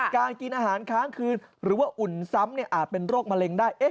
กินอาหารค้างคืนหรือว่าอุ่นซ้ำอาจเป็นโรคมะเร็งได้